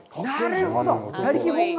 なるほど。